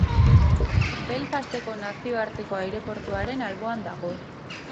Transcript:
Belfasteko Nazioarteko aireportuaren alboan dago.